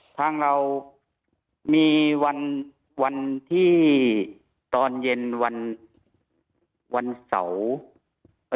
ทางเรามีวันวันที่ตอนเย็นวันเสาร์